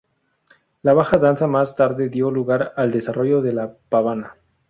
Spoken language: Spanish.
La baja danza más tarde dio lugar al desarrollo de la pavana.